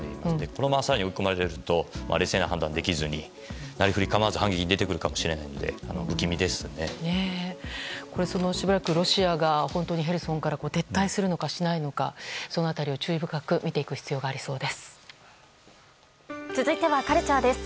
このまま更に追い込まれると冷静な判断ができずになりふり構わず反撃に出てくるかもしれないのでしばらくロシアがヘルソンから本当に撤退するのかしないのかその辺り注意深く続いてはカルチャーです。